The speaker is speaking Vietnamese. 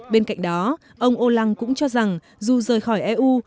bên cạnh đó ông olan cũng cho rằng dù rời khỏi eu